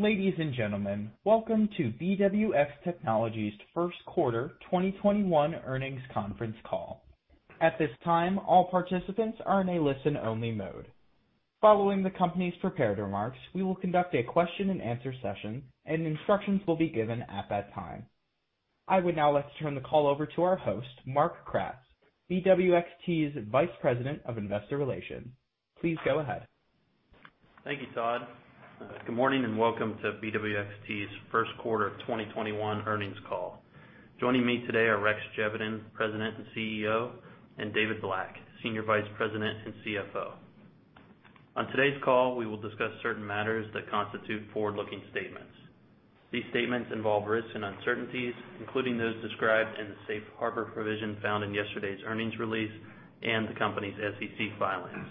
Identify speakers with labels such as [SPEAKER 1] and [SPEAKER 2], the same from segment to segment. [SPEAKER 1] Ladies and gentlemen, welcome to BWX Technologies' First Quarter 2021 Earnings Conference Call. At this time, all participants are in a listen-only mode. Following the company's prepared remarks, we will conduct a question-and-answer session, and instructions will be given at that time. I would now like to turn the call over to our host, Mark Kratz, BWXT's Vice President of Investor Relations. Please go ahead.
[SPEAKER 2] Thank you, Todd. Good morning, and welcome to BWXT's First Quarter 2021 Earnings Call. Joining me today are Rex Geveden, President and CEO, and David Black, Senior Vice President and CFO. On today's call, we will discuss certain matters that constitute forward-looking statements. These statements involve risks and uncertainties, including those described in the safe harbor provision found in yesterday's earnings release and the company's SEC filings.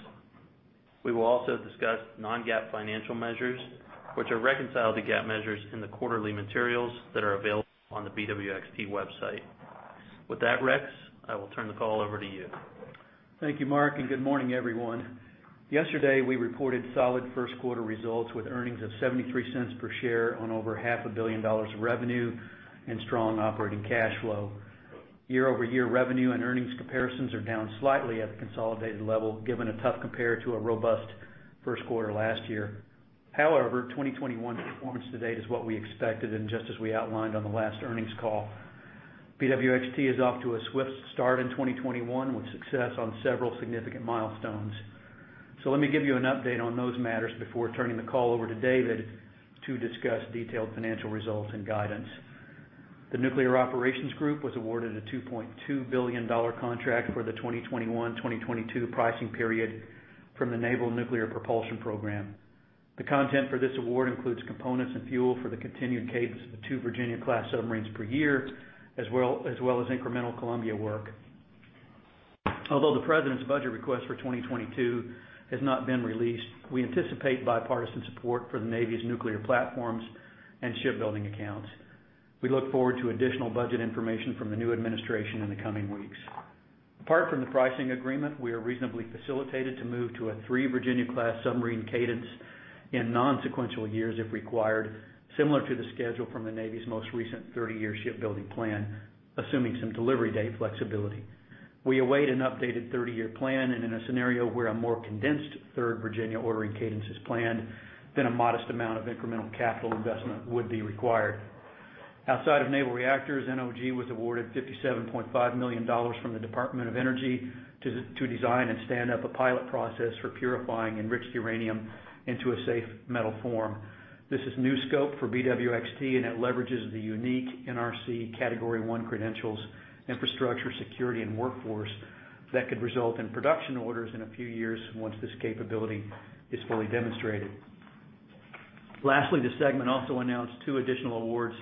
[SPEAKER 2] We will also discuss non-GAAP financial measures, which are reconciled to GAAP measures in the quarterly materials that are available on the BWXT website. With that, Rex, I will turn the call over to you.
[SPEAKER 3] Thank you, Mark, and good morning, everyone. Yesterday, we reported solid first-quarter results with earnings of $0.73 per share on over half a billion dollars of revenue and strong operating cash flow. Year-over-year revenue and earnings comparisons are down slightly at the consolidated level, given a tough compare to a robust first quarter last year. However, 2021 performance to date is what we expected, and just as we outlined on the last earnings call. BWXT is off to a swift start in 2021 with success on several significant milestones. Let me give you an update on those matters before turning the call over to David to discuss detailed financial results and guidance. The Nuclear Operations Group was awarded a $2.2 billion contract for the 2021-2022 pricing period from the Naval Nuclear Propulsion Program. The content for this award includes components and fuel for the continued cadence of the two Virginia-class submarines per year, as well as incremental Columbia work. Although the President's Budget Request for 2022 has not been released, we anticipate bipartisan support for the Navy's nuclear platforms and shipbuilding accounts. We look forward to additional budget information from the new administration in the coming weeks. Apart from the pricing agreement, we are reasonably facilitated to move to a three Virginia-class submarine cadence in non-sequential years if required, similar to the schedule from the Navy's most recent 30-year Shipbuilding Plan, assuming some delivery date flexibility. We await an updated 30-year Plan, and in a scenario where a more condensed third Virginia ordering cadence is planned, then a modest amount of incremental capital investment would be required. Outside of Naval Reactors, NOG was awarded $57.5 million from the Department of Energy to design and stand up a pilot process for purifying enriched uranium into a safe metal form. This is new scope for BWXT, and it leverages the unique NRC Category I credentials, infrastructure, security, and workforce that could result in production orders in a few years once this capability is fully demonstrated. Lastly, the segment also announced two additional awards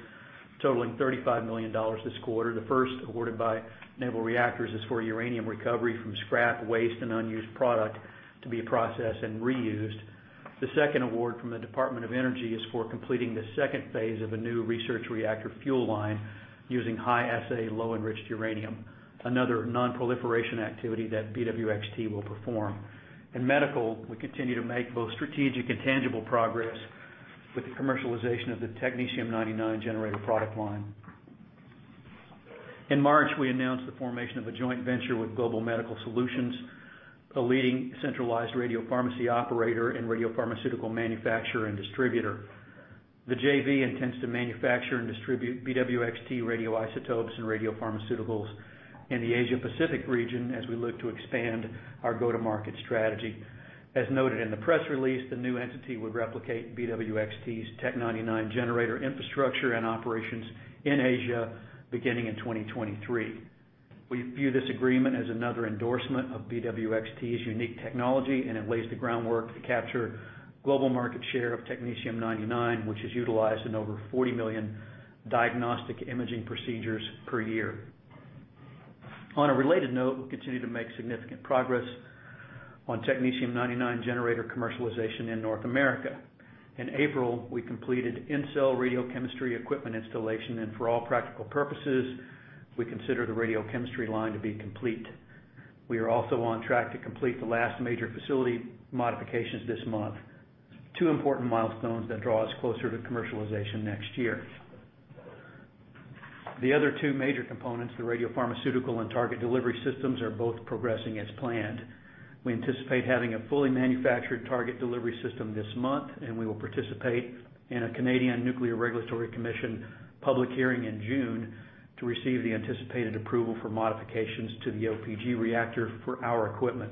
[SPEAKER 3] totaling $35 million this quarter. The first, awarded by Naval Reactors, is for uranium recovery from scrap, waste, and unused product to be processed and reused. The second award from the Department of Energy is for completing the second phase of a new research reactor fuel line using high-assay, low-enriched uranium, another non-proliferation activity that BWXT will perform. In medical, we continue to make both strategic and tangible progress with the commercialization of the technetium-99 generator product line. In March, we announced the formation of a joint venture with Global Medical Solutions, a leading centralized radiopharmacy operator and radiopharmaceutical manufacturer and distributor. The JV intends to manufacture and distribute BWXT radioisotopes and radiopharmaceuticals in the Asia-Pacific region as we look to expand our go-to-market strategy. As noted in the press release, the new entity would replicate BWXT's Tech 99 generator infrastructure and operations in Asia beginning in 2023. We view this agreement as another endorsement of BWXT's unique technology. It lays the groundwork to capture global market share of technetium-99, which is utilized in over 40 million diagnostic imaging procedures per year. On a related note, we continue to make significant progress on technetium-99 generator commercialization in North America. In April, we completed in-cell radiochemistry equipment installation, and for all practical purposes, we consider the radiochemistry line to be complete. We are also on track to complete the last major facility modifications this month. Two important milestones that draw us closer to commercialization next year. The other two major components, the radiopharmaceutical and target delivery systems, are both progressing as planned. We anticipate having a fully manufactured target delivery system this month. We will participate in a Canadian Nuclear Safety Commission public hearing in June to receive the anticipated approval for modifications to the OPG reactor for our equipment.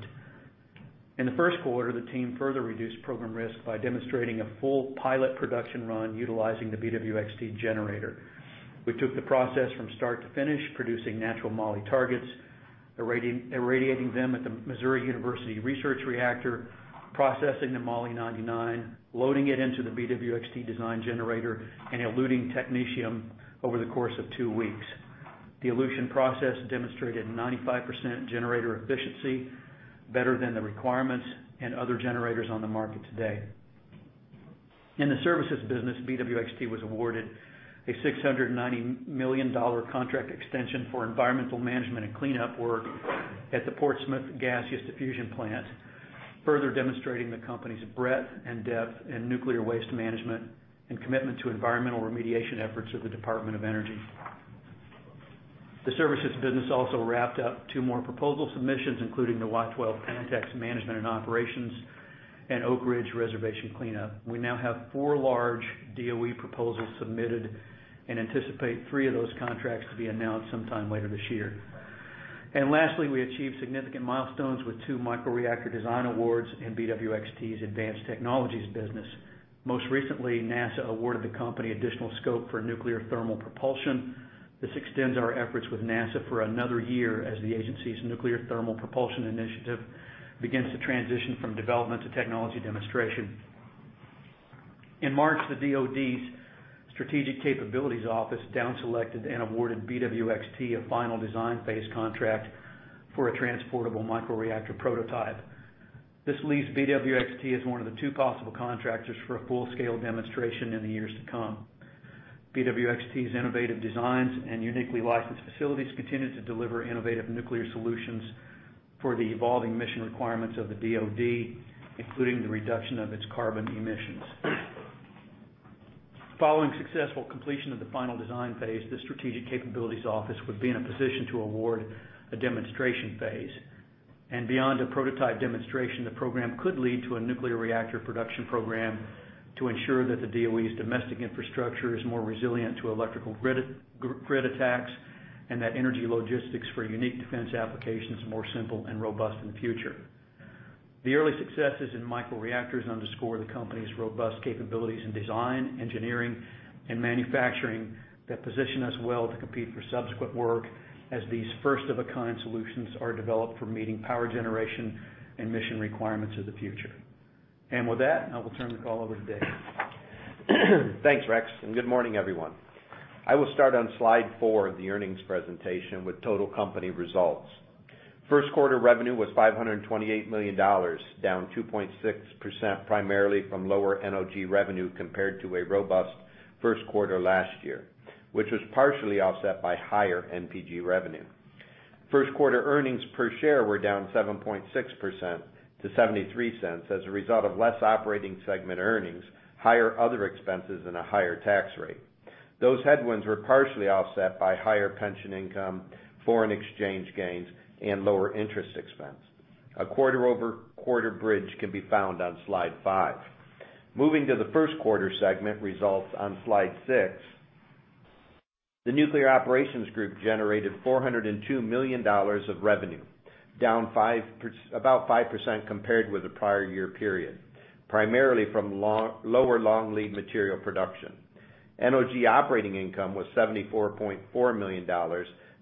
[SPEAKER 3] In the first quarter, the team further reduced program risk by demonstrating a full pilot production run utilizing the BWXT generator. We took the process from start to finish, producing natural moly targets, irradiating them at the University of Missouri research reactor, processing the moly-99, loading it into the BWXT design generator, and eluting technetium over the course of two weeks. The elution process demonstrated 95% generator efficiency, better than the requirements and other generators on the market today. In the services business, BWXT was awarded a $690 million contract extension for environmental management and cleanup work at the Portsmouth Gaseous Diffusion Plant, further demonstrating the company's breadth and depth in nuclear waste management and commitment to environmental remediation efforts of the Department of Energy. The services business also wrapped up two more proposal submissions, including the Y-12 Pantex management and operations and Oak Ridge Reservation cleanup. We now have four large DOE proposals submitted and anticipate three of those contracts to be announced sometime later this year. Lastly, we achieved significant milestones with two microreactor design awards in BWXT Advanced Technologies business. Most recently, NASA awarded the company additional scope for nuclear thermal propulsion. This extends our efforts with NASA for another year as the agency's nuclear thermal propulsion initiative begins to transition from development to technology demonstration. In March, the DoD's Strategic Capabilities Office down selected and awarded BWXT a final design phase contract for a transportable microreactor prototype. This leaves BWXT as one of the two possible contractors for a full-scale demonstration in the years to come. BWXT's innovative designs and uniquely licensed facilities continue to deliver innovative nuclear solutions for the evolving mission requirements of the DoD, including the reduction of its carbon emissions. Following successful completion of the final design phase, the Strategic Capabilities Office would be in a position to award a demonstration phase. Beyond a prototype demonstration, the program could lead to a nuclear reactor production program to ensure that the DOE's domestic infrastructure is more resilient to electrical grid attacks, and that energy logistics for unique defense applications are more simple and robust in the future. The early successes in microreactors underscore the company's robust capabilities in design, engineering, and manufacturing that position us well to compete for subsequent work as these first-of-a-kind solutions are developed for meeting power generation and mission requirements of the future. With that, I will turn the call over to David.
[SPEAKER 4] Thanks, Rex. Good morning, everyone. I will start on slide four of the earnings presentation with total company results. First quarter revenue was $528 million, down 2.6%, primarily from lower NOG revenue compared to a robust first quarter last year, which was partially offset by higher NPG revenue. First quarter earnings per share were down 7.6% to $0.73 as a result of less operating segment earnings, higher other expenses, and a higher tax rate. Those headwinds were partially offset by higher pension income, foreign exchange gains, and lower interest expense. A quarter-over-quarter bridge can be found on slide five. Moving to the first quarter segment results on slide six. The Nuclear Operations Group generated $402 million of revenue, down about 5% compared with the prior year period, primarily from lower long lead material production. NOG operating income was $74.4 million,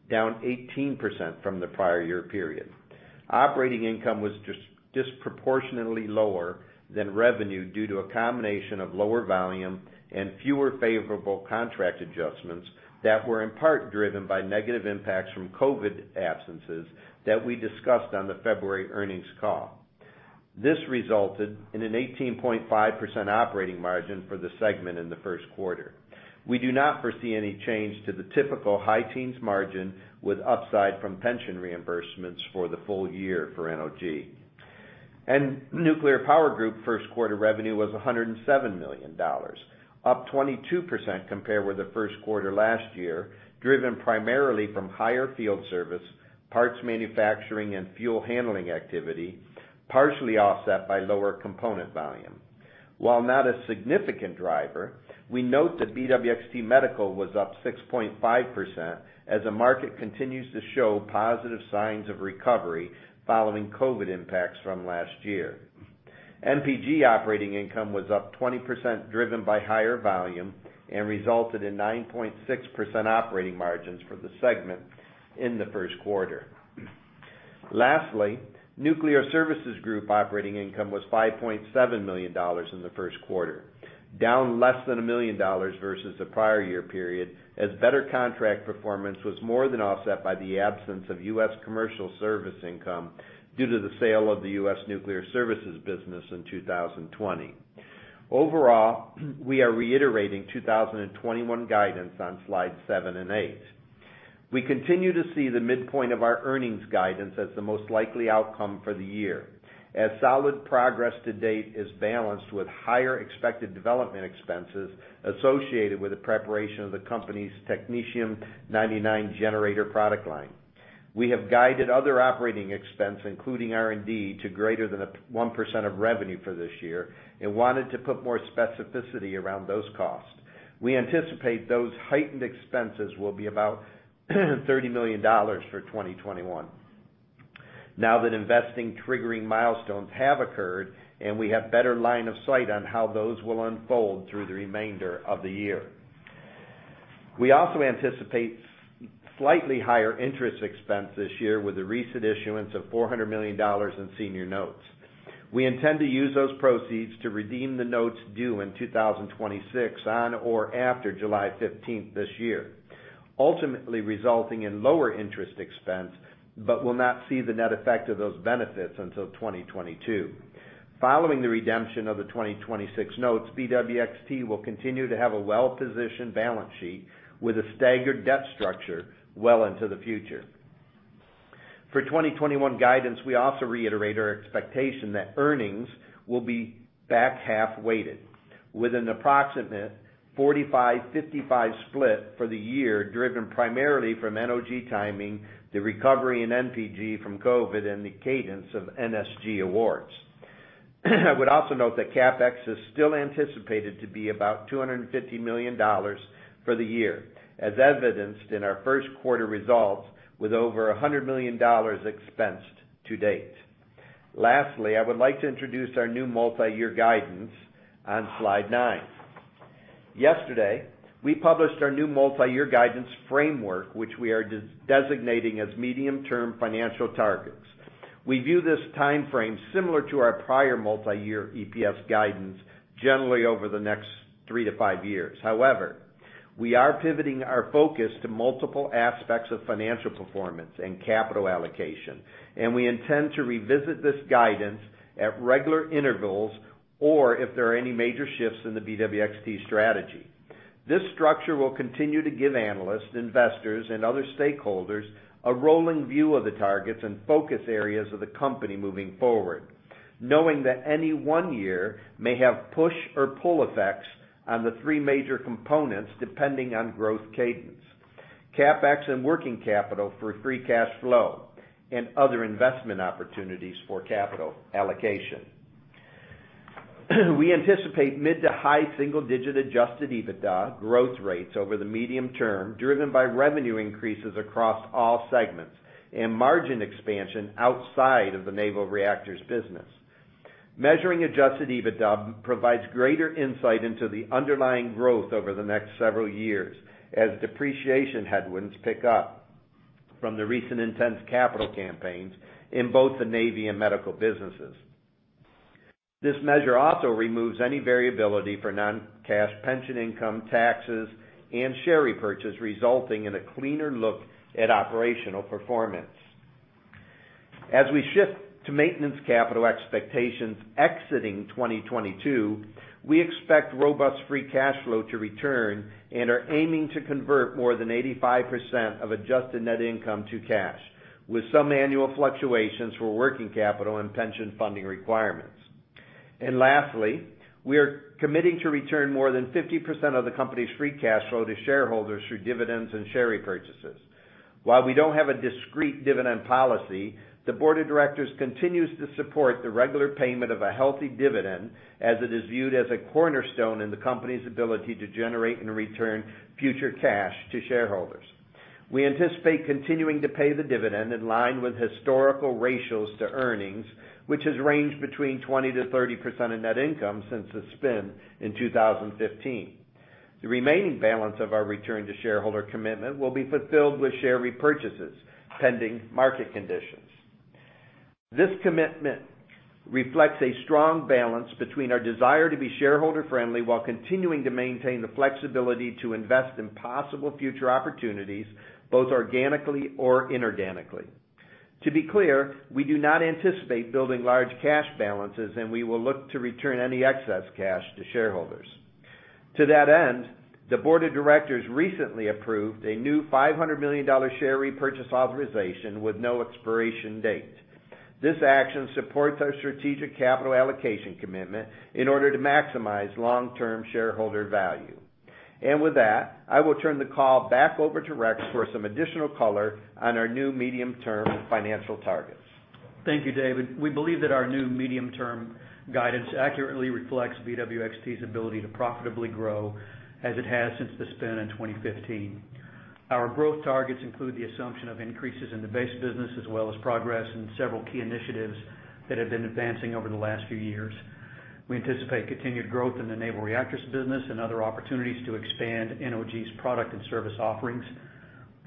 [SPEAKER 4] down 18% from the prior year period. Operating income was disproportionately lower than revenue due to a combination of lower volume and fewer favorable contract adjustments that were in part driven by negative impacts from COVID absences that we discussed on the February earnings call. This resulted in an 18.5% operating margin for the segment in the first quarter. We do not foresee any change to the typical high teens margin with upside from pension reimbursements for the full year for NOG. Nuclear Power Group first quarter revenue was $107 million, up 22% compared with the first quarter last year, driven primarily from higher field service, parts manufacturing, and fuel handling activity, partially offset by lower component volume. While not a significant driver, we note that BWXT Medical was up 6.5% as the market continues to show positive signs of recovery following COVID impacts from last year. NPG operating income was up 20% driven by higher volume and resulted in 9.6% operating margins for the segment in the first quarter. Lastly, Nuclear Services Group operating income was $5.7 million in the first quarter, down less than $1 million versus the prior year period as better contract performance was more than offset by the absence of U.S. commercial service income due to the sale of the U.S. Nuclear Services business in 2020. Overall, we are reiterating 2021 guidance on slides seven and eight. We continue to see the midpoint of our earnings guidance as the most likely outcome for the year, as solid progress to date is balanced with higher expected development expenses associated with the preparation of the company's technetium-99m generator product line. We have guided other operating expense, including R&D, to greater than 1% of revenue for this year and wanted to put more specificity around those costs. We anticipate those heightened expenses will be about $30 million for 2021. Now that investing triggering milestones have occurred, and we have better line of sight on how those will unfold through the remainder of the year. We also anticipate slightly higher interest expense this year with the recent issuance of $400 million in senior notes. We intend to use those proceeds to redeem the notes due in 2026 on or after July 15th this year, ultimately resulting in lower interest expense, but we'll not see the net effect of those benefits until 2022. Following the redemption of the 2026 notes, BWXT will continue to have a well-positioned balance sheet with a staggered debt structure well into the future. For 2021 guidance, we also reiterate our expectation that earnings will be back-half weighted with an approximate 45-55 split for the year, driven primarily from NOG timing, the recovery in NPG from COVID, and the cadence of NSG awards. I would also note that CapEx is still anticipated to be about $250 million for the year, as evidenced in our first quarter results, with over $100 million expensed to date. Lastly, I would like to introduce our new multi-year guidance on slide nine. Yesterday, we published our new multi-year guidance framework, which we are designating as medium-term financial targets. We view this timeframe similar to our prior multi-year EPS guidance, generally over the next three to five years. However, we are pivoting our focus to multiple aspects of financial performance and capital allocation, and we intend to revisit this guidance at regular intervals or if there are any major shifts in the BWXT strategy. This structure will continue to give analysts, investors, and other stakeholders a rolling view of the targets and focus areas of the company moving forward, knowing that any one year may have push or pull effects on the three major components, depending on growth cadence, CapEx and working capital for free cash flow, and other investment opportunities for capital allocation. We anticipate mid to high single-digit adjusted EBITDA growth rates over the medium-term, driven by revenue increases across all segments and margin expansion outside of the naval reactors business. Measuring adjusted EBITDA provides greater insight into the underlying growth over the next several years as depreciation headwinds pick up from the recent intense capital campaigns in both the Navy and medical businesses. This measure also removes any variability for non-cash pension income taxes and share repurchase, resulting in a cleaner look at operational performance. As we shift to maintenance capital expectations exiting 2022, we expect robust free cash flow to return and are aiming to convert more than 85% of adjusted net income to cash, with some annual fluctuations for working capital and pension funding requirements. Lastly, we are committing to return more than 50% of the company's free cash flow to shareholders through dividends and share repurchases. While we don't have a discrete dividend policy, the board of directors continues to support the regular payment of a healthy dividend as it is viewed as a cornerstone in the company's ability to generate and return future cash to shareholders. We anticipate continuing to pay the dividend in line with historical ratios to earnings, which has ranged between 20%-30% of net income since the spin in 2015. The remaining balance of our return to shareholder commitment will be fulfilled with share repurchases, pending market conditions. This commitment reflects a strong balance between our desire to be shareholder-friendly while continuing to maintain the flexibility to invest in possible future opportunities, both organically or inorganically. To be clear, we do not anticipate building large cash balances, and we will look to return any excess cash to shareholders. To that end, the board of directors recently approved a new $500 million share repurchase authorization with no expiration date. This action supports our strategic capital allocation commitment in order to maximize long-term shareholder value. With that, I will turn the call back over to Rex for some additional color on our new medium-term financial targets.
[SPEAKER 3] Thank you, David. We believe that our new medium-term guidance accurately reflects BWXT's ability to profitably grow as it has since the spin in 2015. Our growth targets include the assumption of increases in the base business as well as progress in several key initiatives that have been advancing over the last few years. We anticipate continued growth in the Naval Reactors business and other opportunities to expand NOG's product and service offerings.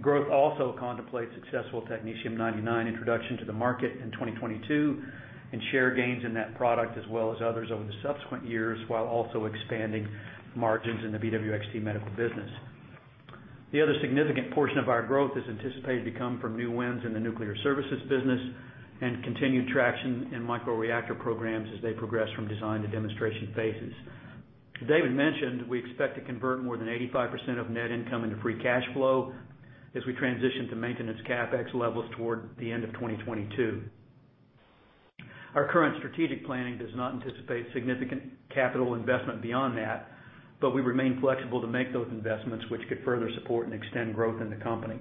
[SPEAKER 3] Growth also contemplates successful technetium-99m introduction to the market in 2022 and share gains in that product as well as others over the subsequent years, while also expanding margins in the BWXT Medical business. The other significant portion of our growth is anticipated to come from new wins in the nuclear services business and continued traction in microreactor programs as they progress from design to demonstration phases. David mentioned we expect to convert more than 85% of net income into free cash flow as we transition to maintenance CapEx levels toward the end of 2022. Our current strategic planning does not anticipate significant capital investment beyond that, but we remain flexible to make those investments, which could further support and extend growth in the company.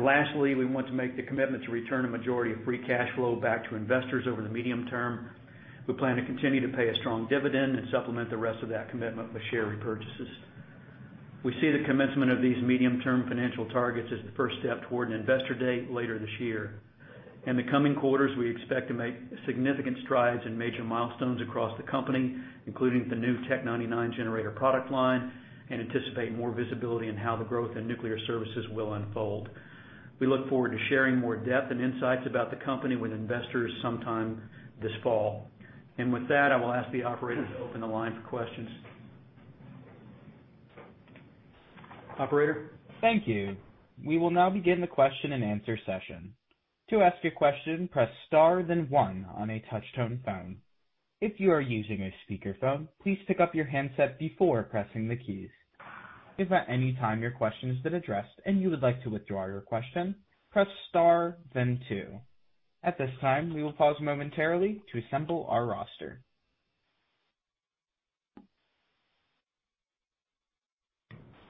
[SPEAKER 3] Lastly, we want to make the commitment to return a majority of free cash flow back to investors over the medium-term. We plan to continue to pay a strong dividend and supplement the rest of that commitment with share repurchases. We see the commencement of these medium-term financial targets as the first step toward an investor day later this year. In the coming quarters, we expect to make significant strides in major milestones across the company, including the new Tc-99m generator product line, and anticipate more visibility on how the growth in Nuclear Services will unfold. We look forward to sharing more depth and insights about the company with investors sometime this fall. With that, I will ask the operator to open the line for questions. Operator?
[SPEAKER 1] Thank you. We will now begin the question-and answer-session. To ask a question press star then one on your touchtone phone. If you are using a speaker phone please pick up your handset before pressing the key. If at anytime your question is addressed and you would like to withdraw your question press star then two. At this time, we will pause momentarily to assemble our roster.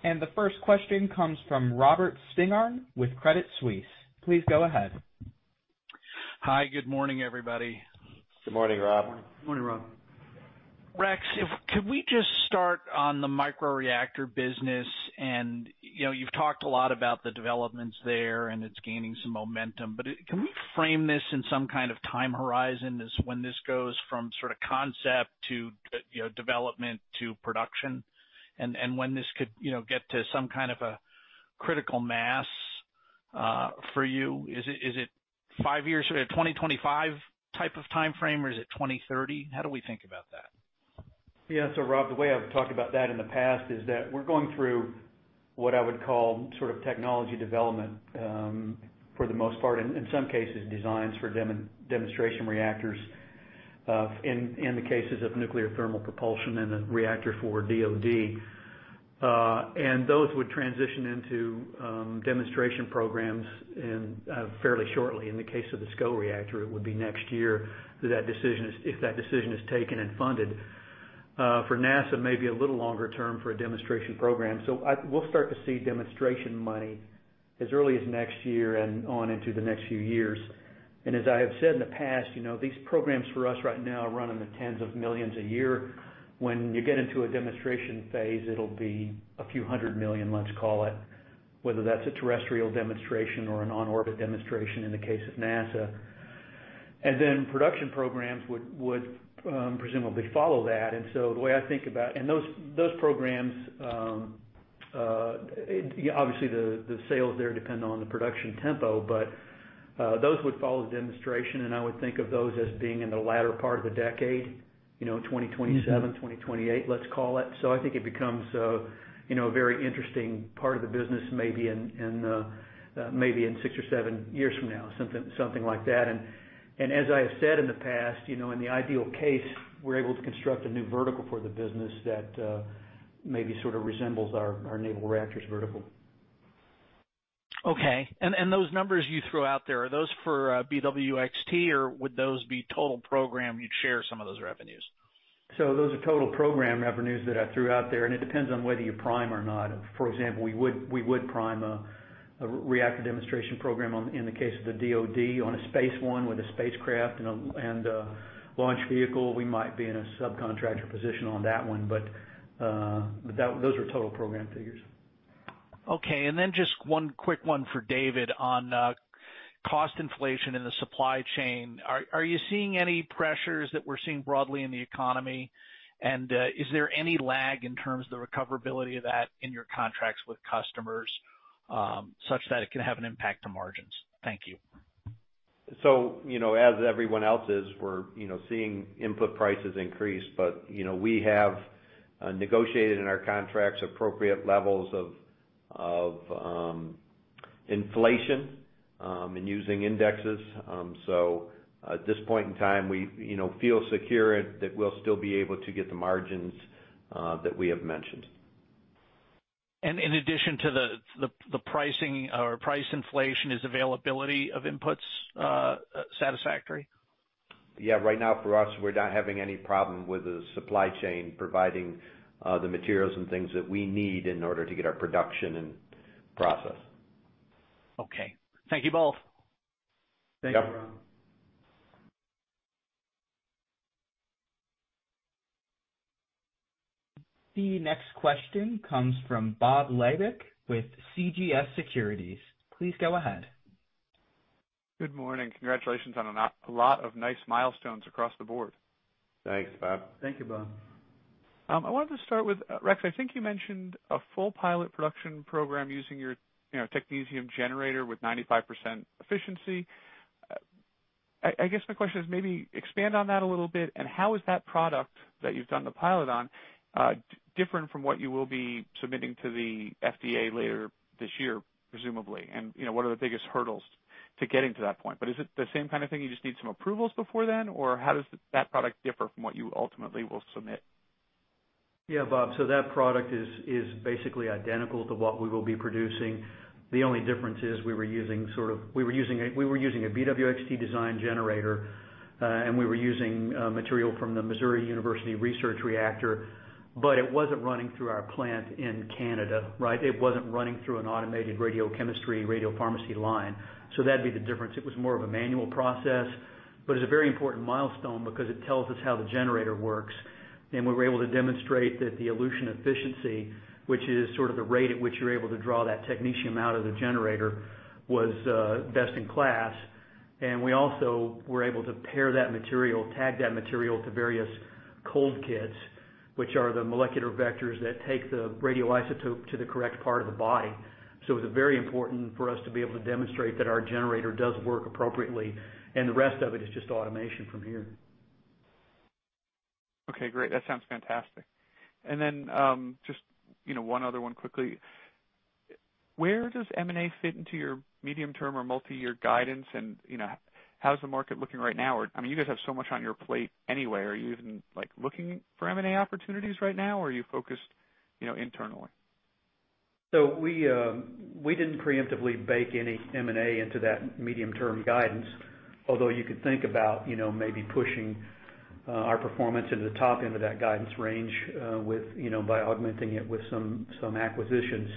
[SPEAKER 1] The first question comes from Robert Spingarn with Credit Suisse. Please go ahead.
[SPEAKER 5] Hi. Good morning, everybody.
[SPEAKER 4] Good morning, Rob.
[SPEAKER 3] Morning.
[SPEAKER 2] Morning, Rob.
[SPEAKER 5] Rex, could we just start on the microreactor business? You've talked a lot about the developments there, and it's gaining some momentum, but can we frame this in some kind of time horizon as when this goes from sort of concept to development to production? When this could get to some kind of a critical mass, for you? Is it five years or 2025 type of timeframe, or is it 2030? How do we think about that?
[SPEAKER 3] Rob, the way I've talked about that in the past is that we're going through what I would call sort of technology development, for the most part, in some cases, designs for demonstration reactors, in the cases of nuclear thermal propulsion and the reactor for DoD. Those would transition into demonstration programs fairly shortly. In the case of the SCO reactor, it would be next year if that decision is taken and funded. For NASA, maybe a little longer-term for a demonstration program. We'll start to see demonstration money as early as next year and on into the next few years. As I have said in the past, these programs for us right now run in the tens of millions a year. When you get into a demonstration phase, it'll be a few hundred million, let's call it, whether that's a terrestrial demonstration or an on-orbit demonstration in the case of NASA. Production programs would presumably follow that. Those programs, obviously, the sales there depend on the production tempo, but those would follow the demonstration, and I would think of those as being in the latter part of the decade, 2027, 2028, let's call it. I think it becomes a very interesting part of the business, maybe in six or seven years from now, something like that. As I have said in the past, in the ideal case, we're able to construct a new vertical for the business that maybe sort of resembles our Naval Reactors vertical.
[SPEAKER 5] Okay. Those numbers you threw out there, are those for BWXT, or would those be total program, you'd share some of those revenues?
[SPEAKER 3] Those are total program revenues that I threw out there, and it depends on whether you prime or not. For example, we would prime a reactor demonstration program in the case of the DoD on a space one with a spacecraft and a launch vehicle. We might be in a subcontractor position on that one, but those are total program figures.
[SPEAKER 5] Okay. Just one quick one for David on cost inflation in the supply chain. Are you seeing any pressures that we're seeing broadly in the economy? Is there any lag in terms of the recoverability of that in your contracts with customers, such that it can have an impact to margins? Thank you.
[SPEAKER 4] As everyone else is, we're seeing input prices increase, but we have negotiated in our contracts appropriate levels of inflation, and using indexes. At this point in time, we feel secure that we'll still be able to get the margins that we have mentioned.
[SPEAKER 5] In addition to the pricing or price inflation, is availability of inputs satisfactory?
[SPEAKER 4] Yeah. Right now for us, we're not having any problem with the supply chain providing the materials and things that we need in order to get our production and process.
[SPEAKER 5] Okay. Thank you both.
[SPEAKER 4] Yep.
[SPEAKER 3] Thank you, Rob.
[SPEAKER 1] The next question comes from Bob Labick with CJS Securities. Please go ahead.
[SPEAKER 6] Good morning. Congratulations on a lot of nice milestones across the board.
[SPEAKER 4] Thanks, Bob.
[SPEAKER 3] Thank you, Bob.
[SPEAKER 6] I wanted to start with, Rex, I think you mentioned a full pilot production program using your technetium generator with 95% efficiency. I guess my question is maybe expand on that a little bit, how is that product that you've done the pilot on different from what you will be submitting to the FDA later this year, presumably, and what are the biggest hurdles to getting to that point? Is it the same kind of thing, you just need some approvals before then, or how does that product differ from what you ultimately will submit?
[SPEAKER 3] Yeah, Bob. That product is basically identical to what we will be producing. The only difference is we were using a BWXT design generator, and we were using material from the University of Missouri research reactor, but it wasn't running through our plant in Canada, right? It wasn't running through an automated radiochemistry, radiopharmacy line. That'd be the difference. It was more of a manual process, but it's a very important milestone because it tells us how the generator works, and we were able to demonstrate that the elution efficiency, which is sort of the rate at which you're able to draw that technetium out of the generator, was best in class. We also were able to pair that material, tag that material to various cold kits, which are the molecular vectors that take the radioisotope to the correct part of the body. It was very important for us to be able to demonstrate that our generator does work appropriately, and the rest of it is just automation from here.
[SPEAKER 6] Okay, great. That sounds fantastic. Then just one other one quickly. Where does M&A fit into your medium-term or multi-year guidance, and how's the market looking right now? You guys have so much on your plate anyway. Are you even looking for M&A opportunities right now, or are you focused internally?
[SPEAKER 3] We didn't preemptively bake any M&A into that medium-term guidance, although you could think about maybe pushing our performance into the top end of that guidance range by augmenting it with some acquisitions.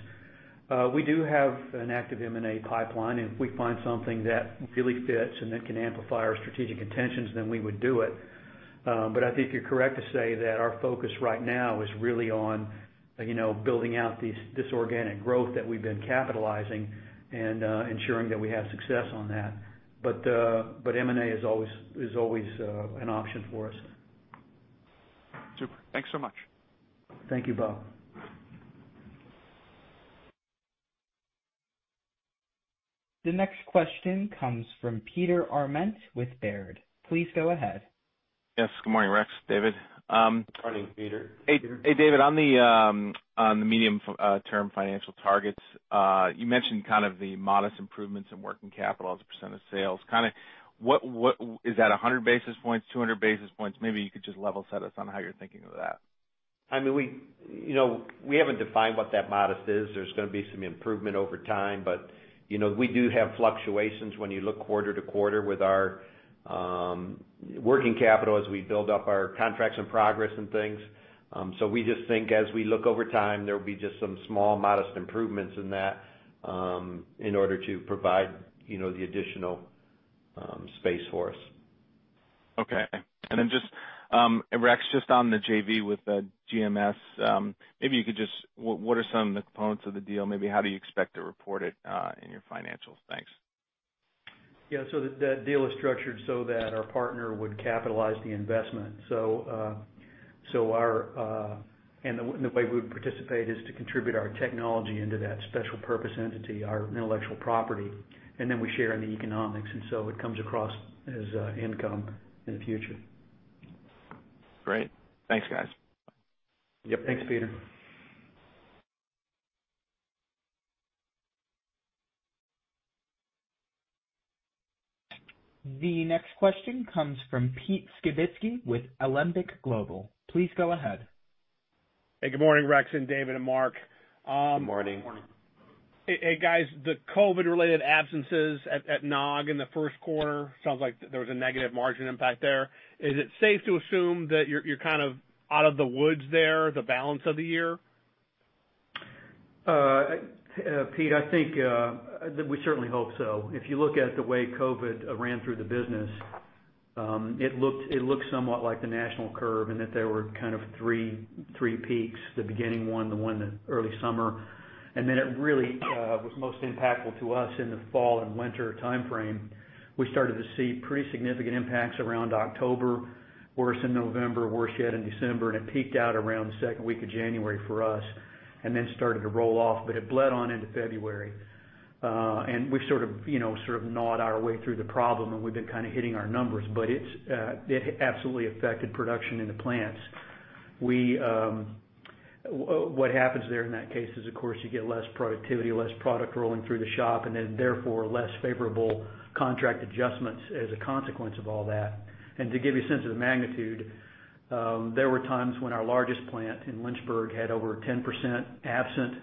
[SPEAKER 3] We do have an active M&A pipeline, and if we find something that really fits and that can amplify our strategic intentions, then we would do it. I think you're correct to say that our focus right now is really on building out this organic growth that we've been capitalizing and ensuring that we have success on that. M&A is always an option for us.
[SPEAKER 6] Super. Thanks so much.
[SPEAKER 3] Thank you, Bob.
[SPEAKER 1] The next question comes from Peter Arment with Baird. Please go ahead.
[SPEAKER 7] Yes, good morning, Rex, David.
[SPEAKER 3] Morning, Peter.
[SPEAKER 7] Hey, David, on the medium-term financial targets, you mentioned kind of the modest improvements in working capital as a percentage of sales. Is that 100 basis points, 200 basis points? Maybe you could just level set us on how you're thinking of that.
[SPEAKER 4] We haven't defined what that modest is. There's going to be some improvement over time. We do have fluctuations when you look quarter-to-quarter with our working capital as we build up our contracts and progress and things. We just think as we look over time, there will be just some small, modest improvements in that in order to provide the additional space for us.
[SPEAKER 7] Okay. Rex, just on the JV with GMS, what are some of the components of the deal? How do you expect to report it in your financials? Thanks.
[SPEAKER 3] Yeah. That deal is structured so that our partner would capitalize the investment. The way we would participate is to contribute our technology into that special purpose entity, our intellectual property, and then we share in the economics, it comes across as income in the future.
[SPEAKER 7] Great. Thanks, guys.
[SPEAKER 3] Yep. Thanks, Peter.
[SPEAKER 1] The next question comes from Pete Skibitski with Alembic Global. Please go ahead.
[SPEAKER 8] Hey, good morning, Rex and David and Mark.
[SPEAKER 4] Good morning.
[SPEAKER 3] Good morning.
[SPEAKER 8] Hey guys, the COVID-related absences at Nog in the first quarter, sounds like there was a negative margin impact there. Is it safe to assume that you're kind of out of the woods there the balance of the year?
[SPEAKER 3] Pete, we certainly hope so. If you look at the way COVID ran through the business, it looked somewhat like the national curve and that there were kind of three peaks, the beginning one, the one in early summer, and then it really was most impactful to us in the fall and winter timeframe. We started to see pretty significant impacts around October, worse in November, worse yet in December, and it peaked out around the second week of January for us and then started to roll off. It bled on into February. We've sort of gnawed our way through the problem, and we've been kind of hitting our numbers, but it absolutely affected production in the plants. What happens there in that case is, of course, you get less productivity, less product rolling through the shop, therefore, less favorable contract adjustments as a consequence of all that. To give you a sense of the magnitude, there were times when our largest plant in Lynchburg had over 10% absent,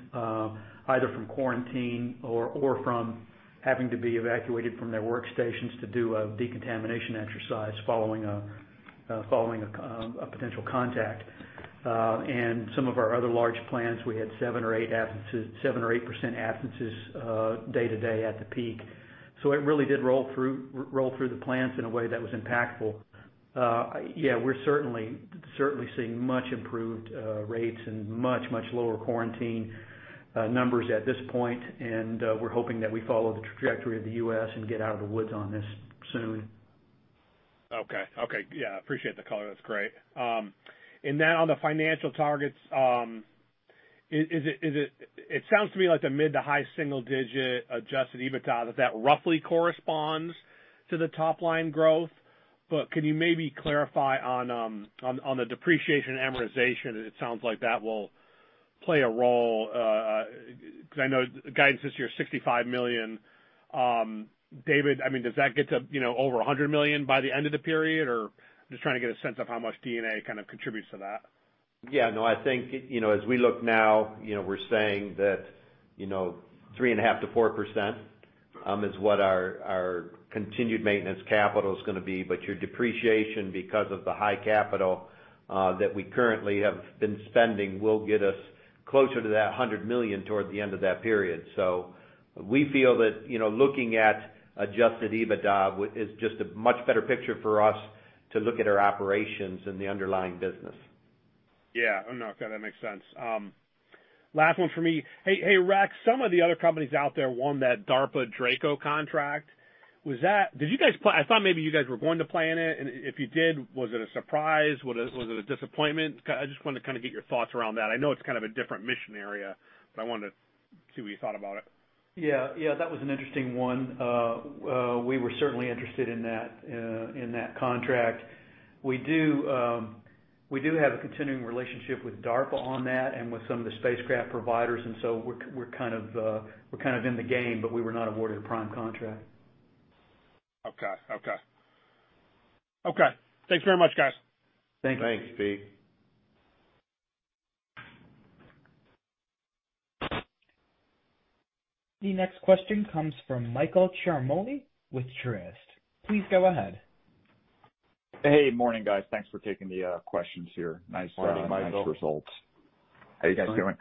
[SPEAKER 3] either from quarantine or from having to be evacuated from their workstations to do a decontamination exercise following a potential contact. Some of our other large plants, we had 7% or 8% absences day to day at the peak. It really did roll through the plants in a way that was impactful. Yeah, we're certainly seeing much improved rates and much, much lower quarantine numbers at this point, and we're hoping that we follow the trajectory of the U.S. and get out of the woods on this soon.
[SPEAKER 8] Okay. Yeah, appreciate the color. That's great. On the financial targets, it sounds to me like the mid to high single-digit adjusted EBITDA, that roughly corresponds to the top-line growth. Could you maybe clarify on the depreciation and amortization? It sounds like that will play a role, because I know the guidance this year is $65 million. David, does that get to over $100 million by the end of the period, or I'm just trying to get a sense of how much D&A kind of contributes to that?
[SPEAKER 4] Yeah, no, I think, as we look now, we’re saying that 3.5%-4% is what our continued maintenance capital is going to be. Your depreciation, because of the high capital that we currently have been spending, will get us closer to that $100 million toward the end of that period. We feel that looking at adjusted EBITDA is just a much better picture for us to look at our operations and the underlying business.
[SPEAKER 8] Yeah. No, that makes sense. Last one from me. Hey, Rex, some of the other companies out there won that DARPA DRACO contract. I thought maybe you guys were going to play in it, and if you did, was it a surprise? Was it a disappointment? I just wanted to get your thoughts around that. I know it's kind of a different mission area, but I wanted to see what you thought about it.
[SPEAKER 3] Yeah. That was an interesting one. We were certainly interested in that contract. We do have a continuing relationship with DARPA on that and with some of the spacecraft providers, we're kind of in the game, but we were not awarded a prime contract.
[SPEAKER 8] Okay. Thanks very much, guys.
[SPEAKER 3] Thanks, Pete.
[SPEAKER 1] The next question comes from Michael Ciarmoli with Truist. Please go ahead.
[SPEAKER 9] Hey. Morning, guys. Thanks for taking the questions here.
[SPEAKER 4] Morning, Michael.
[SPEAKER 9] Nice results. How you guys doing?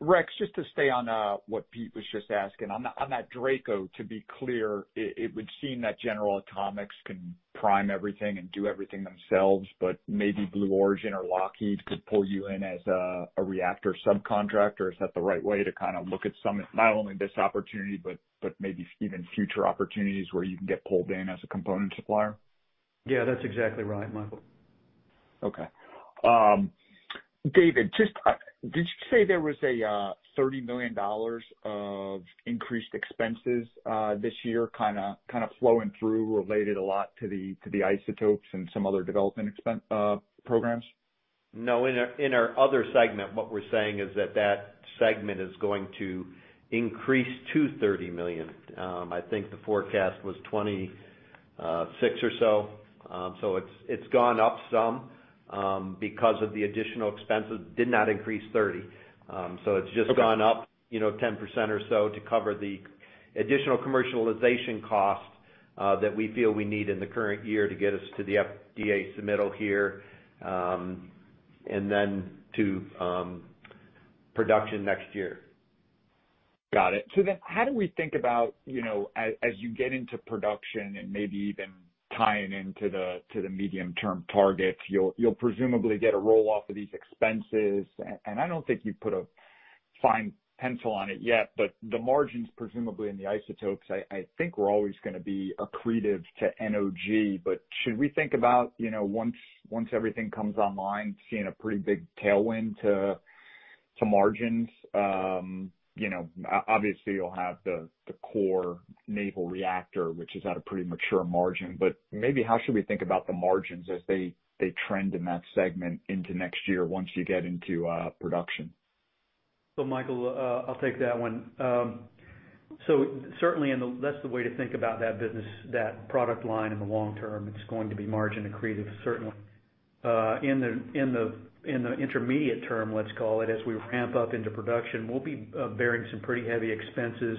[SPEAKER 9] Rex, just to stay on what Pete was just asking, on that DRACO, to be clear, it would seem that General Atomics can prime everything and do everything themselves, but maybe Blue Origin or Lockheed could pull you in as a reactor subcontractor. Is that the right way to look at not only this opportunity, but maybe even future opportunities where you can get pulled in as a component supplier?
[SPEAKER 3] Yeah, that's exactly right, Michael.
[SPEAKER 9] Okay. David, did you say there was a $30 million of increased expenses this year flowing through related a lot to the isotopes and some other development programs?
[SPEAKER 4] No, in our other segment, what we're saying is that that segment is going to increase to $30 million. I think the forecast was $26 million or so. It's gone up some because of the additional expenses, did not increase $30 million. It's just gone up 10% or so to cover the additional commercialization cost that we feel we need in the current year to get us to the FDA submittal here, and then to production next year.
[SPEAKER 9] Got it. How do we think about as you get into production and maybe even tying into the medium-term targets, you'll presumably get a roll-off of these expenses. I don't think you've put a fine pencil on it yet, but the margins presumably in the isotopes, I think, were always going to be accretive to NOG. Should we think about once everything comes online, seeing a pretty big tailwind to margins? Obviously, you'll have the core naval reactor, which is at a pretty mature margin, maybe how should we think about the margins as they trend in that segment into next year once you get into production?
[SPEAKER 3] Michael, I'll take that one. Certainly that's the way to think about that business, that product line in the long term, it's going to be margin accretive, certainly. In the intermediate-term, let's call it, as we ramp up into production, we'll be bearing some pretty heavy expenses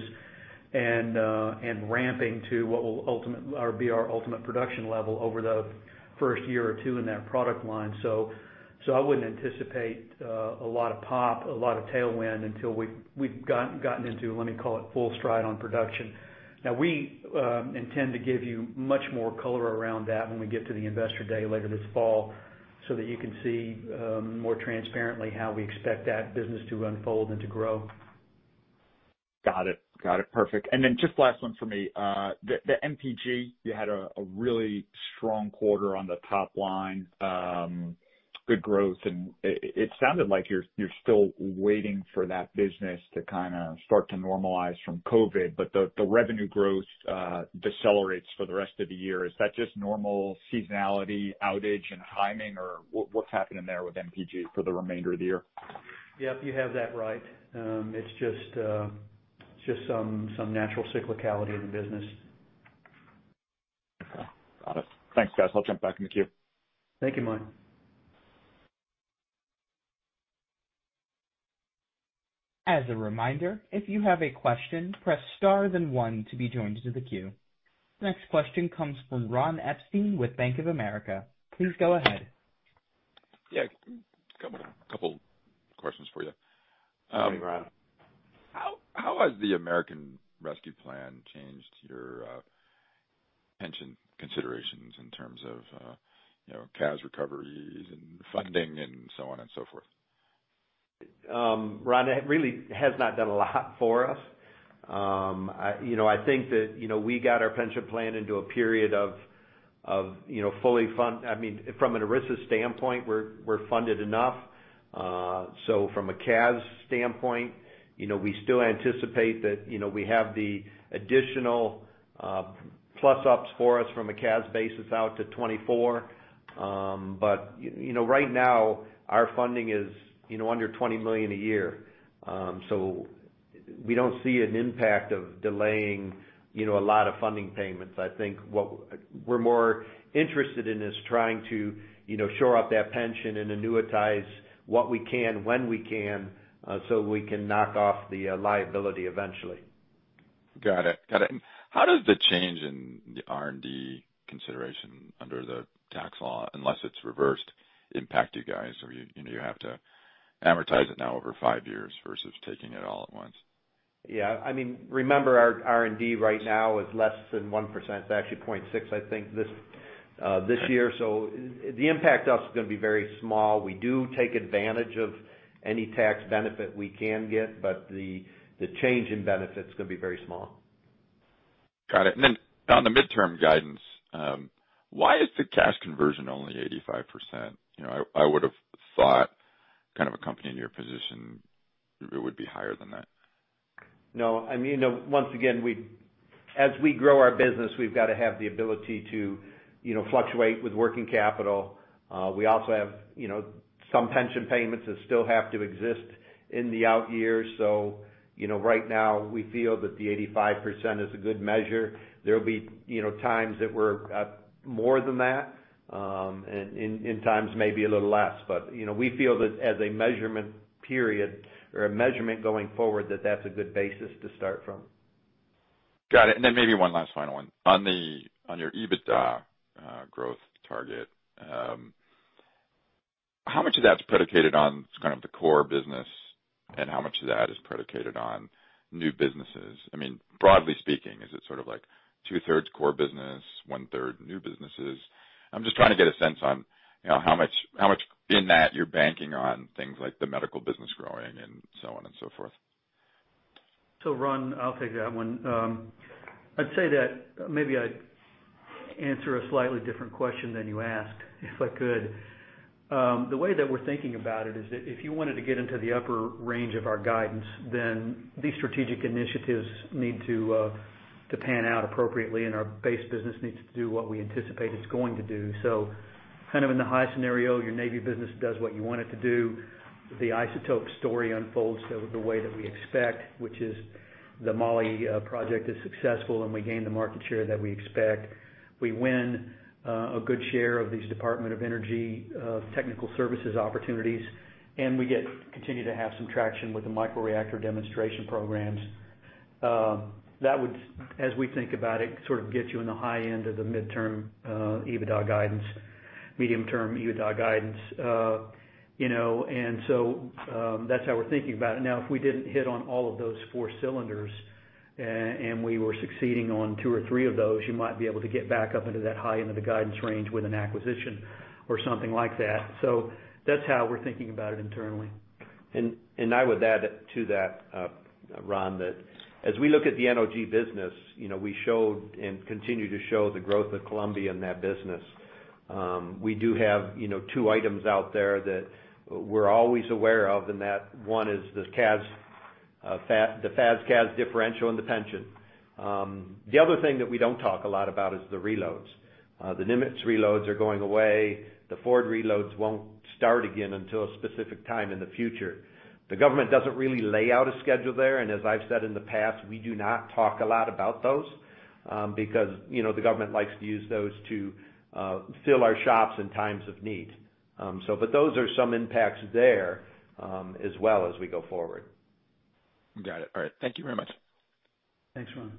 [SPEAKER 3] and ramping to what will be our ultimate production level over the first year or two in that product line. I wouldn't anticipate a lot of pop, a lot of tailwind until we've gotten into, let me call it, full stride on production. We intend to give you much more color around that when we get to the Investor Day later this fall so that you can see more transparently how we expect that business to unfold and to grow.
[SPEAKER 9] Got it. Perfect. Just last one for me. The NPG, you had a really strong quarter on the top line, good growth, and it sounded like you're still waiting for that business to start to normalize from COVID, but the revenue growth decelerates for the rest of the year. Is that just normal seasonality, outage, and timing? Or what's happening there with NPG for the remainder of the year?
[SPEAKER 3] Yep, you have that right. It's just some natural cyclicality in the business.
[SPEAKER 9] Okay. Got it. Thanks, guys. I'll jump back in the queue.
[SPEAKER 3] Thank you, Michael.
[SPEAKER 1] As a reminder, if you have a question, press star then one to be joined to the queue. Next question comes from Ron Epstein with Bank of America. Please go ahead.
[SPEAKER 10] Couple of questions for you.
[SPEAKER 4] Hey, Ron.
[SPEAKER 10] How has the American Rescue Plan changed your pension considerations in terms of CAS recoveries and funding and so on and so forth?
[SPEAKER 4] Ron, it really has not done a lot for us. I think that we got our pension plan. From an ERISA standpoint, we're funded enough. From a CAS standpoint, we still anticipate that we have the additional plus-ups for us from a CAS basis out to 2024. Right now, our funding is under $20 million a year. We don't see an impact of delaying a lot of funding payments. I think what we're more interested in is trying to shore up that pension and annuitize what we can when we can, so we can knock off the liability eventually.
[SPEAKER 10] Got it. How does the change in the R&D consideration under the tax law, unless it's reversed, impact you guys where you have to amortize it now over five years versus taking it all at once?
[SPEAKER 4] Yeah. Remember, our R&D right now is less than 1%. It's actually 0.6%, I think, this year. The impact to us is going to be very small. We do take advantage of any tax benefit we can get, but the change in benefit is going to be very small.
[SPEAKER 10] Got it. On the midterm guidance, why is the cash conversion only 85%? I would've thought a company in your position, it would be higher than that.
[SPEAKER 4] No. Once again, as we grow our business, we've got to have the ability to fluctuate with working capital. We also have some pension payments that still have to exist in the out years. Right now we feel that the 85% is a good measure. There'll be times that we're more than that, and times maybe a little less. We feel that as a measurement period or a measurement going forward, that that's a good basis to start from.
[SPEAKER 10] Got it. Maybe one last final one. On your EBITDA growth target, how much of that's predicated on kind of the core business, and how much of that is predicated on new businesses? Broadly speaking, is it sort of like 2/3 core business, one-third new businesses? I'm just trying to get a sense on how much in that you're banking on things like the medical business growing and so on and so forth.
[SPEAKER 3] Ron, I'll take that one. I'd say that maybe I'd answer a slightly different question than you asked, if I could. The way that we're thinking about it is that if you wanted to get into the upper range of our guidance, these strategic initiatives need to pan out appropriately, and our base business needs to do what we anticipate it's going to do. Kind of in the high scenario, your Navy business does what you want it to do. The isotope story unfolds the way that we expect, which is the moly project is successful, and we gain the market share that we expect. We win a good share of these Department of Energy technical services opportunities, and we continue to have some traction with the microreactor demonstration programs. That would, as we think about it, sort of get you in the high end of the mid-term EBITDA guidance. That's how we're thinking about it. Now, if we didn't hit on all of those four cylinders, and we were succeeding on two or three of those, you might be able to get back up into that high end of the guidance range with an acquisition or something like that. That's how we're thinking about it internally.
[SPEAKER 4] I would add to that, Ron, that as we look at the NOG business, we showed and continue to show the growth of Columbia-class in that business. We do have two items out there that we're always aware of, and that one is the FAS/CAS differential and the pension. The other thing that we don't talk a lot about is the reloads. The Nimitz-class reloads are going away. The Ford-class reloads won't start again until a specific time in the future. The government doesn't really lay out a schedule there, and as I've said in the past, we do not talk a lot about those, because the government likes to use those to fill our shops in times of need. Those are some impacts there as well as we go forward.
[SPEAKER 10] Got it. All right. Thank you very much.
[SPEAKER 4] Thanks, Ron.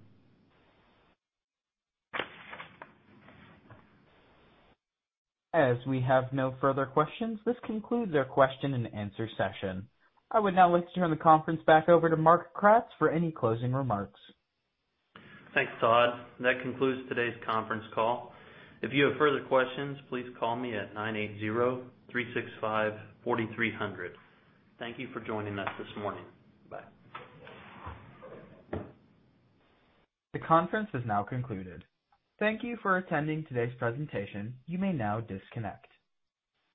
[SPEAKER 1] As we have no further questions, this concludes our question and answer session. I would now like to turn the conference back over to Mark Kratz for any closing remarks.
[SPEAKER 2] Thanks, Todd. That concludes today's conference call. If you have further questions, please call me at 980-365-4300. Thank you for joining us this morning. Bye.
[SPEAKER 1] The conference has now concluded. Thank you for attending today's presentation. You may now disconnect.